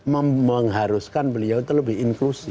mengharuskan beliau terlebih inklusi